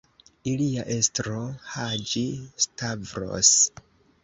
Ilia estro, Haĝi-Stavros.